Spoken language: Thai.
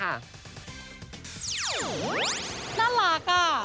น่ารักอะ